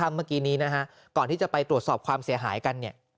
เมื่อกี้นี้นะฮะก่อนที่จะไปตรวจสอบความเสียหายกันเนี่ย